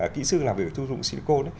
kỹ sư làm việc sử dụng silicone